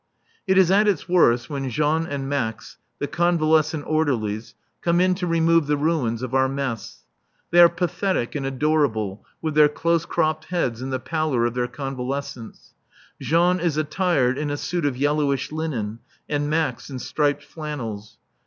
It is at its worst when Jean and Max, the convalescent orderlies, come in to remove the ruins of our mess. They are pathetic and adorable with their close cropped heads in the pallor of their convalescence (Jean is attired in a suit of yellowish linen and Max in striped flannels).